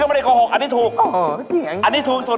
อันนี้ถูกสุด